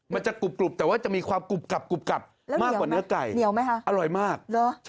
มันจะกรุบแต่ว่าจะมีความกรุบกลับมากกว่าเนื้อไก่แล้วเหนียวไหมเนียวไหมฮะ